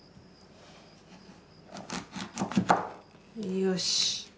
よし。